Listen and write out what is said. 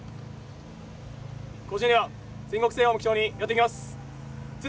甲子園では全国制覇を目標にやっていきます。